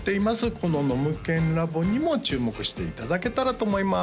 このノムケンＬａｂ！にも注目していただけたらと思います